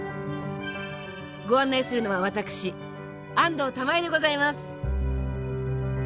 ご案内するのは私安藤玉恵でございます。